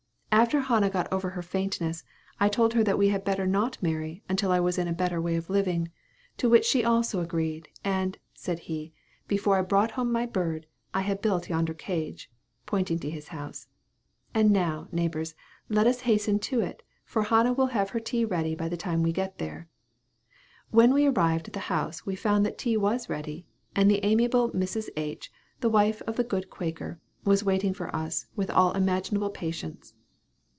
After Hannah got over her faintness, I told her that we had better not marry, until I was in a better way of living; to which she also agreed. And," said he, "before I brought home my bird, I had built yonder cage" pointing to his house; "and now, neighbors, let us hasten to it; for Hannah will have her tea ready by the time we get there." When we arrived at the house we found that tea was ready; and the amiable Mrs. H., the wife of the good Quaker, was waiting for us, with all imaginable patience.